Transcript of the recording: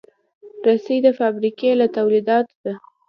رسۍ د فابریکې له تولیداتو ده.